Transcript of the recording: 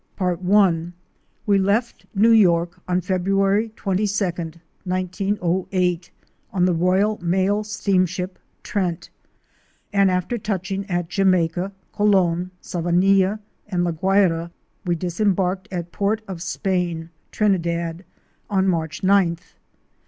Part I. We left New York on February 22d, 1908, on the Royal Mail Steamship '"' Trent,"' and after touching at Jamaica, Colon, Savanilla and La Guayra, we disembarked at Port of Spain, Trinidad, on March gth.